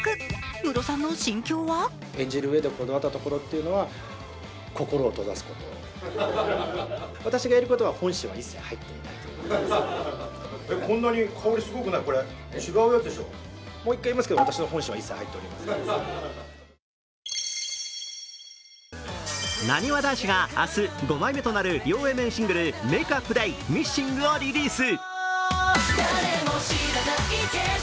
ムロさんの心境はなにわ男子が明日、５枚目となる両Ａ面シングル、「ＭａｋｅＵｐＤａｙ／Ｍｉｓｓｉｎｇ」」をリリース。